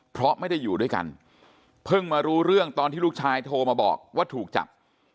เพราะไม่ได้อยู่ด้วยกันเพิ่งมารู้เรื่องตอนที่ลูกชายโทรมาบอกว่าถูกจับ